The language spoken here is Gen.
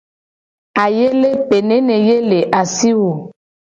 Ayele pe nene ye le asi wo ?